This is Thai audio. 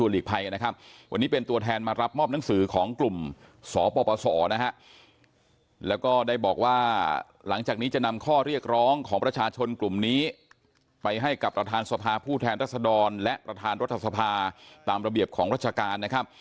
แล้วก็ได้บอกว่าหลังจากนี้จะนำข้อเรียกร้องของประชาชนกลุ่มนี้ไปให้กับประธานสภาผู้แทนรัศดรและประธานรัฐสภาตามระเบียบของราชการนะครับ